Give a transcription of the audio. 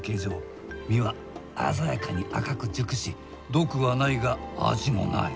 実は鮮やかに赤く熟し毒はないが味もない。